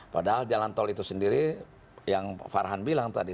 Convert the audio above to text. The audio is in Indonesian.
padahal jalan tol itu sendiri yang pak farhan bilang tadi